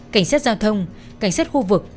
cảnh sát giao thông cảnh sát khu vực